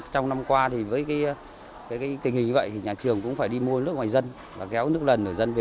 trong năm qua thì với tình hình như vậy thì nhà trường cũng phải đi mua nước ngoài dân và kéo nước lần ở dân về